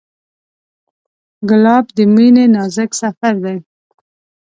ګلاب د مینې نازک سفر دی.